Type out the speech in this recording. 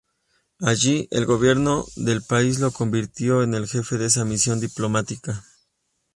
Allí, el Gobierno del país lo convirtió en el jefe de esa misión diplomática.